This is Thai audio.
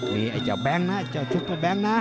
มีไอ้เจ้าแบงค์นะไอ้เจ้าชุปแบงค์นะ